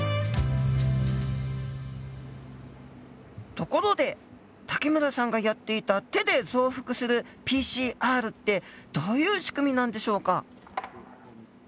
ところで武村さんがやっていた手で増幅するＰＣＲってどういう仕組みなんでしょうか？